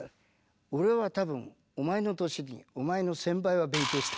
「俺は多分お前の歳にお前の１０００倍は勉強した」。